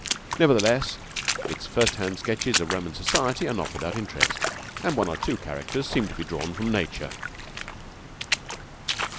Nevertheless, its first hand sketches of Roman society are not without interest, and one or two characters seem to be drawn from nature.